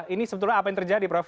ini sebetulnya apa yang terjadi prof